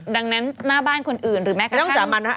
ดังนั้นหน้าบ้านคนอื่นหรือแม้กระทั่งสามัญว่า